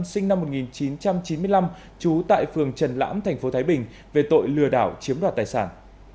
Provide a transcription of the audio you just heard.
sinh năm một nghìn chín trăm chín mươi năm trú tại phường trần lãm tp thái bình về tội lừa đảo chiếm đoạt tài sản